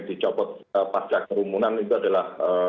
dicopot pasca kerumunan itu adalah